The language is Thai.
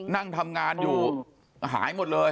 นั่งทำงานอยู่หายหมดเลย